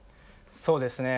そうですね。